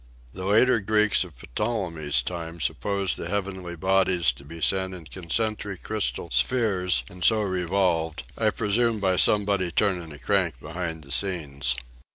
The later Greeks of Ptolemy*s time supposed the heavenly bodies, to be set in con centric crystal spheres and so revolved; I presume by somebody turning a crank behind the scenes.